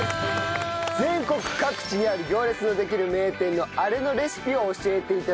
全国各地にある行列のできる名店のアレのレシピを教えて頂き